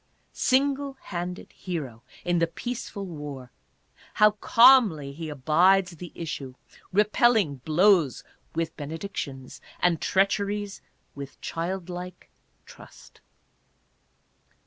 Single handed hero in the peaceful war, how calmly he abides the issue, repelling blows with benedictions and treacheries with child like trust.